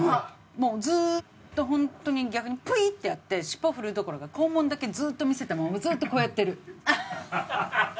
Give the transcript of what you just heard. もうずっと本当に逆にプイッてやって尻尾振るどころか肛門だけずっと見せたままずっとこうやってる。